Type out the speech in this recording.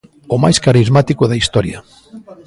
O máis carismático da historia.